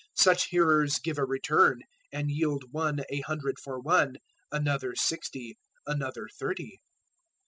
Such hearers give a return, and yield one a hundred for one, another sixty, another thirty.")